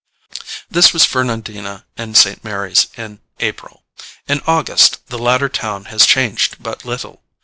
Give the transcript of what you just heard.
This was Fernandina and St. Mary's in April: in August the latter town had changed but little.